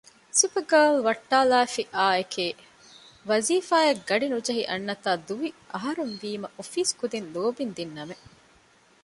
ސުޕަގާލް ވައްޓާލާފި އާއެކެވެ ވާޒީފާ އަށް ގަޑި ނުޖެހި އަންނަތާ ދުވި އަހަރުވީމަ އޮފީސް ކުދިން ލޯބިން ދިންނަމެއް